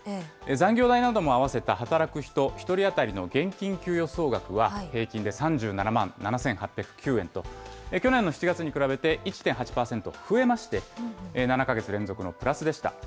残業代なども合わせた働く人１人当たりの現金給与総額は平均で３７万７８０９円と、去年の７月に比べて１．８％増えまして、７か月連続のプラスでした。